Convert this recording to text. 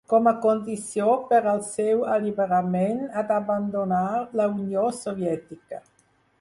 Com a condició per al seu alliberament ha d'abandonar la Unió Soviètica.